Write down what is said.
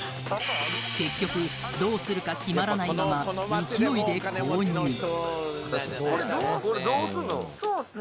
結局どうするか決まらないまま勢いでこれどうこれどうすんの？